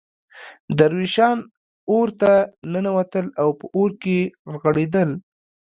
درویشان اورته ننوتل او په اور کې رغړېدل.